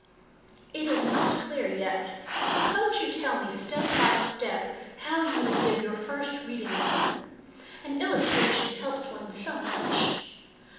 " It is not clear yet ; suppose you tell me, step by step, how you would give your first reading lesson. An illustration helps one so much."